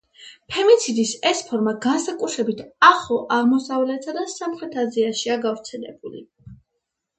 ფემიციდის ეს ფორმა განსაკუთრებით ახლო აღმოსავლეთსა და სამხრეთ აზიაშია გავრცელებული.